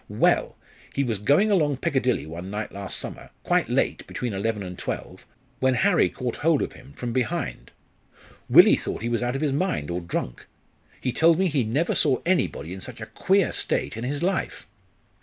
Well! he was going along Piccadilly one night last summer, quite late, between eleven and twelve, when Harry caught hold of him from behind. Willie thought he was out of his mind, or drunk. He told me he never saw anybody in such a queer state in his life.